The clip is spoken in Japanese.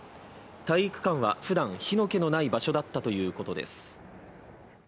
体育館はふだん火の気のない場所だったということです